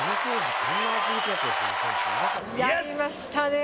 やりましたね